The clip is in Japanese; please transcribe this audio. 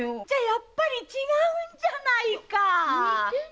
じゃやっぱり違うんじゃないか！